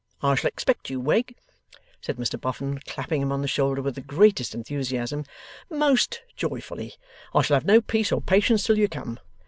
I shall expect you, Wegg,' said Mr Boffin, clapping him on the shoulder with the greatest enthusiasm, 'most joyfully. I shall have no peace or patience till you come.